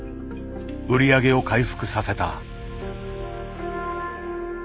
売り上げを回復させた。